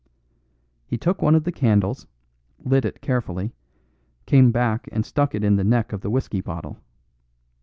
He took one of the candles, lit it carefully, came back and stuck it in the neck of the whisky bottle.